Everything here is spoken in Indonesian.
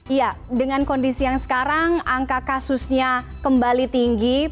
iya dengan kondisi yang sekarang angka kasusnya kembali tinggi